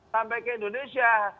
sampai ke indonesia